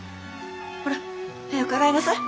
ほら早く洗いなさい。